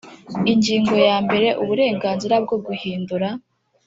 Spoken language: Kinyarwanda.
ingingo ya mbere uburenganzira bwo guhindura